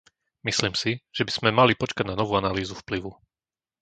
Myslím si, že by sme mali počkať na novú analýzu vplyvu.